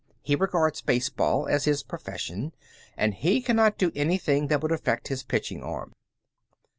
"He regards baseball as his profession, and he cannot do anything that would affect his pitching arm."